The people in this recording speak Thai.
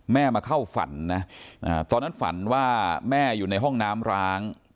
มาเข้าฝันนะตอนนั้นฝันว่าแม่อยู่ในห้องน้ำร้าง